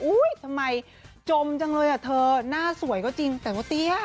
ทำไมจมจังเลยอ่ะเธอหน้าสวยก็จริงแต่ว่าเตี้ย